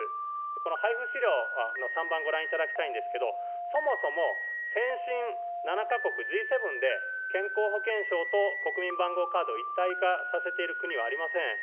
この配布資料の３番ご覧いただきたいんですけど、そもそも先進７か国、Ｇ７で、健康保険証と国民番号カードを一体化させている国はありません。